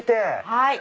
はい。